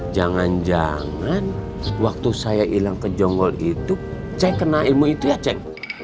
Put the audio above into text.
jangan jangan waktu saya ilang ke jonggol itu cik kena ilmu itu ya cik